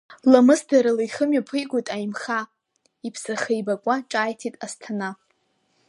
Ламысдарыла ихы мҩаԥигоит Аимхаа, иԥсахы еибакуа ҿааиҭит Асҭана.